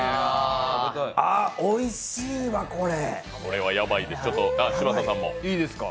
あ、おいしいわ、これ。